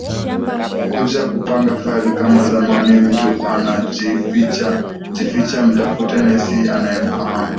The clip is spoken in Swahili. kuja kupanga file kama zamani mtu anajificha jificha mtafute nesi anayemfahamu